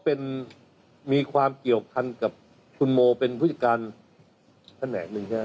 เขาก็มีความเกี่ยวกับคุณบูธ์เป็นผู้จัดการขนาดหนึ่งมั้ยเนี่ย